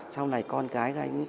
sau này con cái